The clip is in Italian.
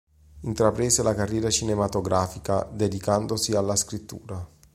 Intraprese la carriera cinematografica, dedicandosi alla scrittura.